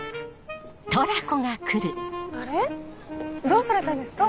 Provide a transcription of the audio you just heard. どうされたんですか？